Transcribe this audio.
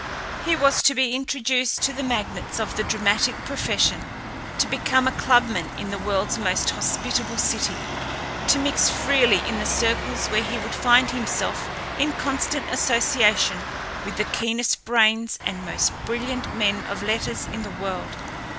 He was to be introduced to the magnates of the dramatic profession, to become a clubman in the world's most hospitable city, to mix freely in the circles where he would find himself in constant association with the keenest brains and most brilliant men of letters in the world.